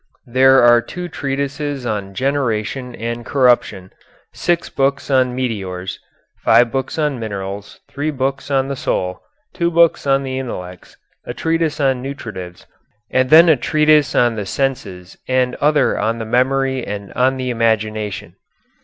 There are two treatises on generation and corruption, six books on meteors, five books on minerals, three books on the soul, two books on the intellect, a treatise on nutritives, and then a treatise on the senses and another on the memory and on the imagination.